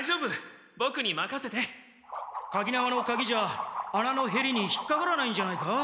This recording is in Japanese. かぎ縄のかぎじゃあなのへりに引っかからないんじゃないか？